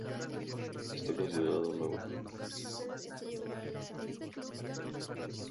Está considerado una obra maestra de la arquitectura y la ingeniería moderna.